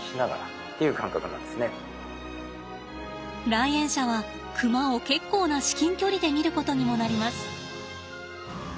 来園者はクマを結構な至近距離で見ることにもなります。